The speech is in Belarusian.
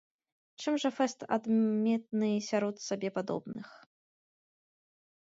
Чым жа фэст адметны сярод сабе падобных?